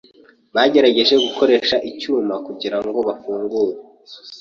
Bagerageje gukoresha icyuma kugirango bafungure.